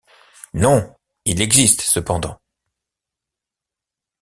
Non! il existe cependant.